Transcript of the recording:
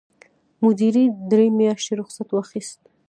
مدیرې درې میاشتې رخصت واخیست.